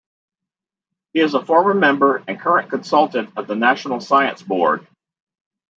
He is a former member and current consultant of the National Science Board.